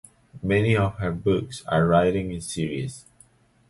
Many of her books are written in series.